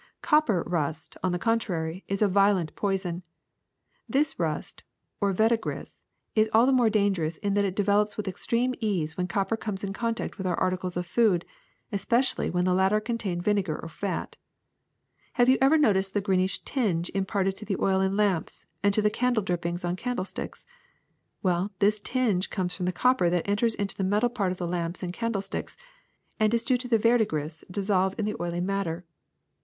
^^Copper rust, on the contrary, is a violent poison. This rust, or verdigris, is all the more dangerous in that it develops with extreme ease when copper comes in contact with our articles of food, especially when the latter contain vinegar or fat. Have you ever noticed the greenish tinge imparted to the oil in lamps and to the candle drippings on candlesticks? Well, this tinge comes from the copper that enters into the metal part of lamps and candlesticks, and is due to the verdigris dissolved in the oily matter.